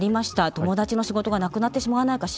「友達の仕事がなくなってしまわないか心配です」。